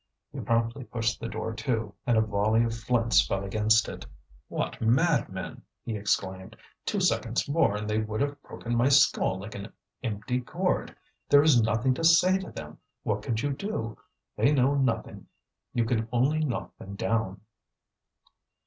He promptly pushed the door to, and a volley of flints fell against it. "What madmen!" he exclaimed. "Two seconds more, and they would have broken my skull like an empty gourd. There is nothing to say to them; what could you do? They know nothing, you can only knock them down."